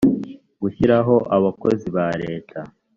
gushyiraho abakozi ba leta